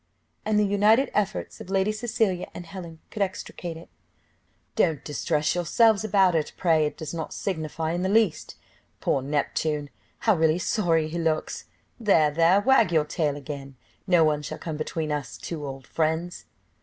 and the united efforts of Lady Cecilia and Helen could extricate it. "Don't distress yourselves about it, pray; it does not signify in the least. Poor Neptune, how really sorry he looks there, there, wag your tail again no one shall come between us two old friends."